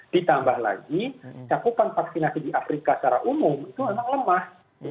ditambah lagi cakupan vaksinasi di afrika secara umum itu memang lemah